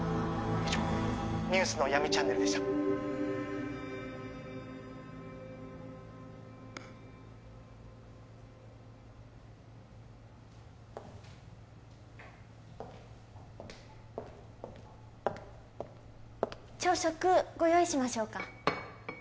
以上ニュースの闇チャンネルでした朝食ご用意しましょうか？